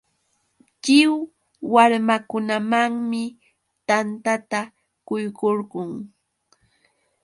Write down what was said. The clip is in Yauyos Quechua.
Lliw warmakunamanmi tantata quykurqun.